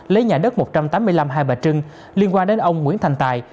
lấy nhà đất một trăm tám mươi năm hai bà trưng liên quan đến ông nguyễn thành tài